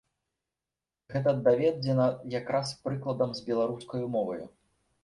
Гэта даведзена якраз прыкладам з беларускаю моваю.